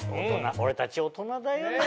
俺たち大人だよね！